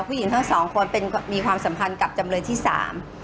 ผู้หญิงทั้งสองคนเป็นมีความสัมพันธ์กับจำเลยที่สาม